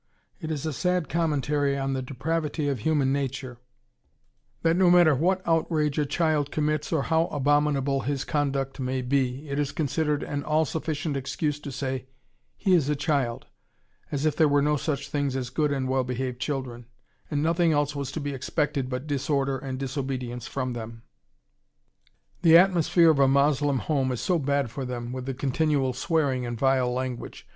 It is a sad commentary on the depravity of human nature, that no matter what outrage a child commits or how abominable his conduct may be, it is considered an all sufficient excuse to say, "He is a child," as if there were no such things as good and well behaved children, and nothing else was to be expected but disorder and disobedience from them. The atmosphere of a Moslem home is so bad for them, with the continual swearing and vile language.